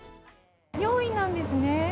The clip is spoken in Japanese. ４位なんですね。